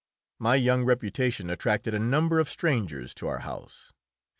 My young reputation attracted a number of strangers to our house.